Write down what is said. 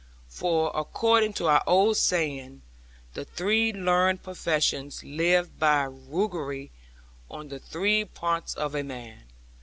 For, according to our old saying, the three learned professions live by roguery on the three parts of a man.